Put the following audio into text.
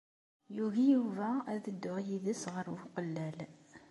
Yugi Yuba ad dduɣ yid-s ɣer Buqellal.